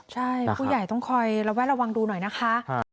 ใช่ผู้ใหญ่ต้องคอยระแวดระวังดูหน่อยนะคะ